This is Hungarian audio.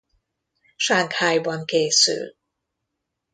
Sanghajban készül.